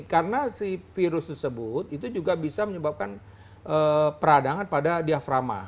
karena si virus tersebut itu juga bisa menyebabkan peradangan pada diaframa